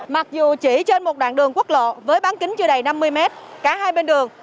mặc dù chỉ trên một đoạn đường quốc lộ với bán kính chưa đầy năm mươi mét cả hai bên đường